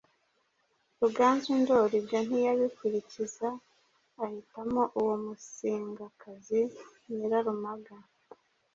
Ruganzu Ndori ibyo ntiyabikurikiza, ahitamo uwo Musingakazi Nyirarumaga,